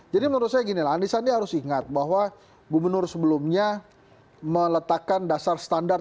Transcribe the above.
jadi menurut saya gini lah anisandi harus ingat bahwa gubernur sebelumnya meletakkan dasar standar